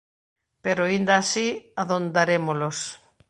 Pero, inda así, adondarémolos.